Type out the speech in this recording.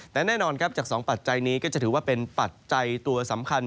แต่แน่นอนครับจาก๒ปัจจัยนี้ก็จะถือว่าเป็นปัจจัยตัวสำคัญ